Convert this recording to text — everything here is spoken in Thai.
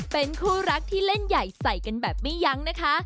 เป็นคู่รักที่เล่นใหญ่ใส่กันแบบไม่ยั้งนะคะ